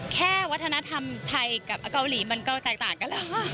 แค่วัฒนธรรมไทยกับเกาหลีมันก็แตกต่างกันแล้ว